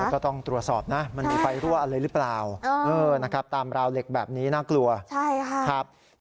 แล้วก็ต้องตรวจสอบนะมันมีไฟรั่วอะไรหรือเปล่า